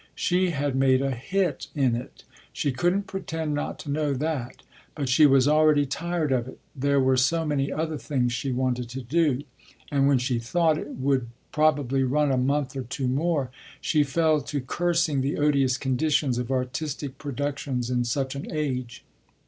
She had made a hit in it she couldn't pretend not to know that; but she was already tired of it, there were so many other things she wanted to do; and when she thought it would probably run a month or two more she fell to cursing the odious conditions of artistic production in such an age.